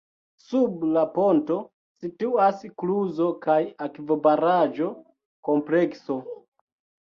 Sub la ponto situas kluzo- kaj akvobaraĵo komplekso.